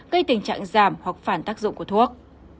gây tình trạng giảm hoặc phản tác dụng của thuốc